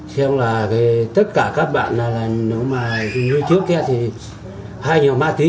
xem là tất cả các bạn là nếu mà như trước kia thì hay nhiều má tí